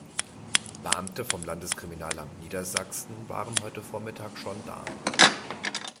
Beamte vom Landeskriminalamt Niedersachsen waren heute Vormittag schon da.